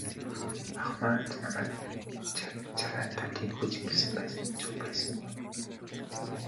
Ах маань ч намайг захиандаа тийнхүү зэмлэсэн байсан нь зөв байсан юм.